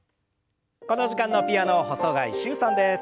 この時間のピアノ細貝柊さんです。